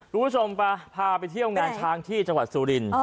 คุณผู้ชมไปพาไปเที่ยวงานช้างที่จังหวัดสุริน